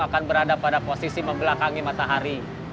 akan berada pada posisi membelakangi matahari